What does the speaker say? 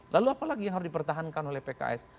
lalu apalagi yang harus dipertahankan oleh pks